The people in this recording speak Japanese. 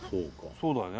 そうだよね。